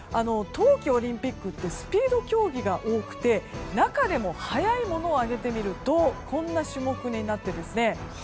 冬季オリンピックってスピード競技が多くて中でも、速いものを挙げてみるとこんな種目になってですね。